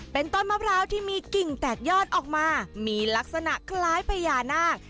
เป็นต้นมะพร้าวที่มีกิ่งแตกยอดออกมามีลักษณะคล้ายพญานาค